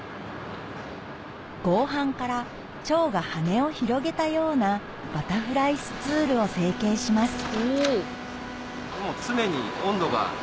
合板からチョウが羽を広げたようなバタフライスツールを成形します